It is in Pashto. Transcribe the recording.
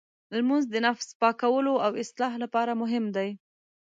لمونځ د نفس پاکولو او اصلاح لپاره مهم دی.